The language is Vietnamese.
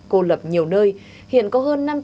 cô lập nhiều nơi hiện có hơn